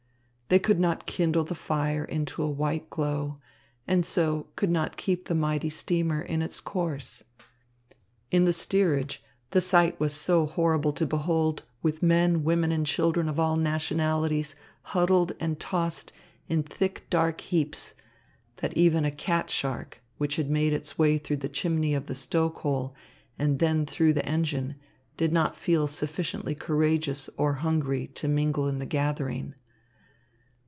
They could not kindle the fire into a white glow, and so could not keep the mighty steamer in its course. In the steerage the sight was so horrible to behold, with men, women and children of all nationalities huddled and tossed in thick, dark heaps, that even a cat shark, which had made its way through the chimney of the stoke hole and then through the engine, did not feel sufficiently courageous or hungry to mingle in the gathering.